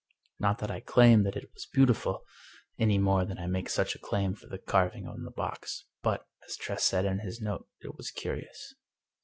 Not that I claim that it was beautiful, any more than I make such a claim for the carving on the box, but, as Tress said in his note, it was curious.